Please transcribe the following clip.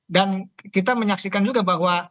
dan kita menyaksikan juga bahwa